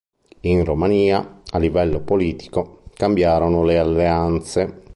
In Romania, a livello politico, cambiarono le alleanze.